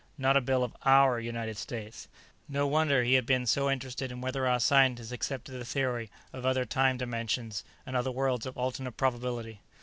Not a bill of our United States. No wonder he had been so interested in whether our scientists accepted the theory of other time dimensions and other worlds of alternate probability!